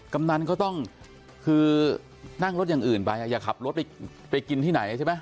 กำนันก็ต้องคือนั่งรถอย่างอื่นไปอย่าขับรถไปกินที่ไหนใช่ไหม